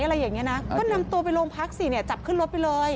อะไรอย่างเงี้นะก็นำตัวไปโรงพักสิเนี่ยจับขึ้นรถไปเลย